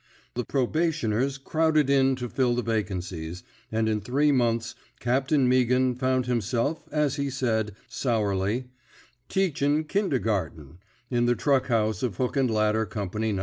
The probationers '* crowded in to fill the vacancies, and in three months Captain Meaghan found himself, as he said, sourly, teachin' kindergarten '* in the truck house of Hook and Ladder Company No.